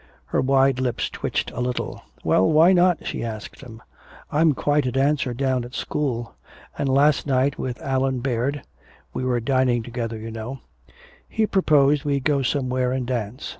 Her wide lips twitched a little. "Well, why not?" she asked him. "I'm quite a dancer down at school. And last night with Allan Baird we were dining together, you know he proposed we go somewhere and dance.